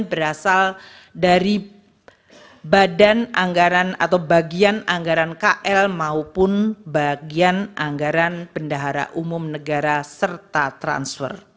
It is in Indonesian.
berasal dari badan anggaran atau bagian anggaran kl maupun bagian anggaran pendahara umum negara serta transfer